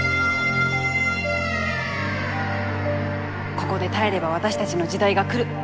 ここで耐えれば私たちの時代が来る。